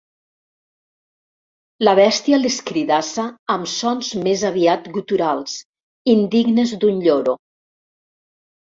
La bèstia l'escridassa amb sons més aviat guturals, indignes d'un lloro.